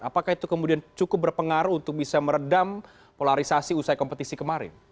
apakah itu kemudian cukup berpengaruh untuk bisa meredam polarisasi usai kompetisi kemarin